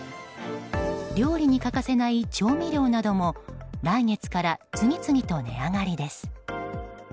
料理に欠かせない調味料なども来月から次々と値上がりです。